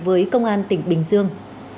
với công an tỉnh bình dương